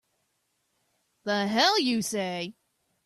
The hell you say!